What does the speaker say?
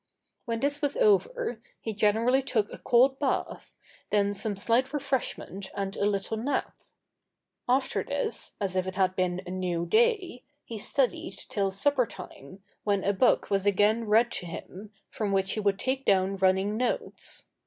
When this was over, he generally took a cold bath, then some slight refreshment and a little nap. After this, as if it had been a new day, he studied till supper time, when a book was again read to him, from which he would take down running notes.